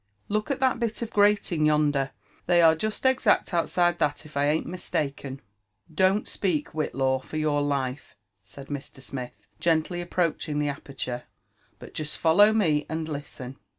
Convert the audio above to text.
" Look at that bit of grating yonder; they are just exact outside that, if I an't mistaken." •*Don*tspeak, Whitlaw, for your life," said Mr. Smith, gently ap proaching the aperture ; "but jest follow me and listen."